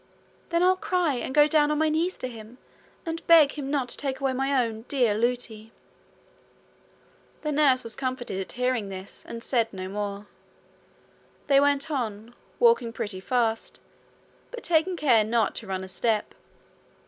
'Then I'll cry, and go down on my knees to him, and beg him not to take away my own dear Lootie.' The nurse was comforted at hearing this, and said no more. They went on, walking pretty fast, but taking care not to run a step.